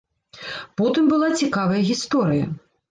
Потым была цікавая гісторыя.